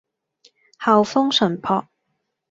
校風純樸